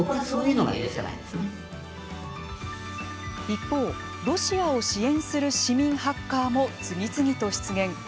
一方、ロシアを支援する市民ハッカーも次々と出現。